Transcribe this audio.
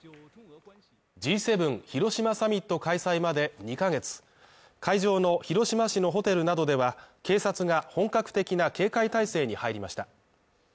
Ｇ７広島サミット開催まで２ヶ月会場の広島市のホテルなどでは、警察が本格的な警戒態勢に入りました。